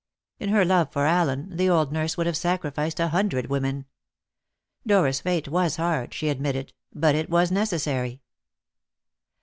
In her love for Allen, the old nurse would have sacrificed a hundred women. Dora's fate was hard; she admitted that, but it was necessary.